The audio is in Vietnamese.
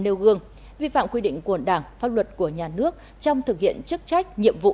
nêu gương vi phạm quy định của đảng pháp luật của nhà nước trong thực hiện chức trách nhiệm vụ